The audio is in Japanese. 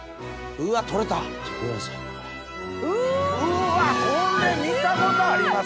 うわっこれ見たことあります？